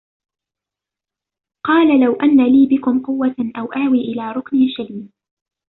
قَالَ لَوْ أَنَّ لِي بِكُمْ قُوَّةً أَوْ آوِي إِلَى رُكْنٍ شَدِيدٍ